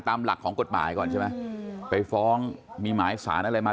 ตามหลักของกฎหมายก่อนใช่ไหมไปฟ้องมีหมายสารอะไรมา